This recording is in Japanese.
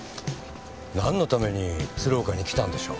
なんのために鶴岡に来たんでしょう？